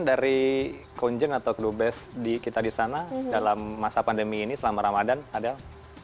dari konjeng atau klubes kita disana dalam masa pandemi ini selama ramadhan adel